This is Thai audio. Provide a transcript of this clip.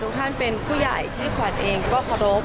ทุกท่านเป็นผู้ใหญ่ที่ขวัญเองก็เคารพ